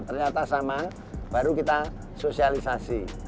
ternyata sama baru kita sosialisasi